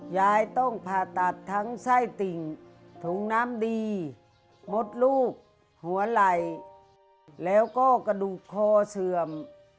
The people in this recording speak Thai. ยายต้องผ่าตัดทั้งไส้ติ่งถุงน้ำดีมดลูกหัวไหล่แล้วก็กระดูกคอเสื่อม